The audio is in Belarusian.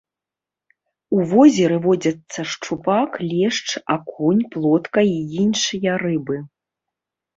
У возеры водзяцца шчупак, лешч, акунь, плотка і іншыя рыбы.